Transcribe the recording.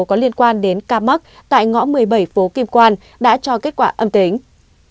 có liên quan đến ca mắc tại ngõ một mươi bảy phố kim quan đã cho kết quả âm tính